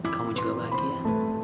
kamu juga bahagia